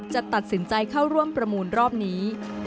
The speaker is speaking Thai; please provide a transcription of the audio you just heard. จะตัดสินใจเข้าร่วมประมูลรอบนี้